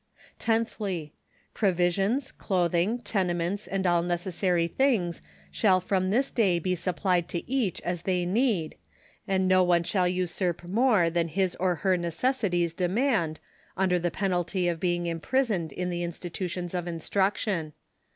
Tenthly — Provisions, clothing, tenements, and all neces sary things shall from this day be supplied to each as they need, and no one shall usurp more than his or her necessi ties demand, under the penalty of being imprisoned in the Institutions of instruction.